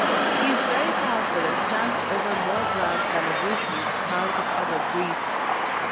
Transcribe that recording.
He is very powerful and stands over more ground than is usual with hounds of other breeds.